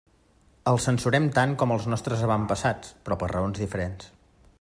El censurem tant com els nostres avantpassats, però per raons diferents.